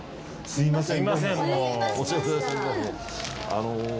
すいません